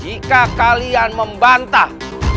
jika kalian membantah